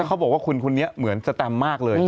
แล้วเค้าบอกว่าคุณเนี่ยเหมือนแสตมอ่านมากเลย